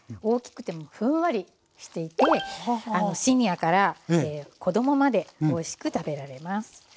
大きくてもふんわりしていてシニアから子どもまでおいしく食べられます。